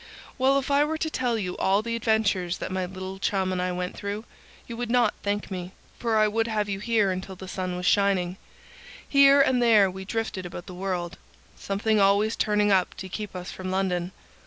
"Well, if I were to tell you all the adventures that my little chum and I went through, you would not thank me, for I would have you here until the sun was shining. Here and there we drifted about the world, something always turning up to keep us from London.